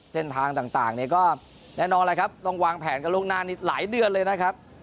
เส้นทางต่างเนี่ยก็แน่นอนแล้วครับต้องวางแผนกันล่วงหน้านี้หลายเดือนเลยนะครับ